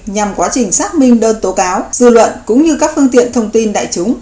phát minh đơn tố cáo dư luận cũng như các phương tiện thông tin đại chúng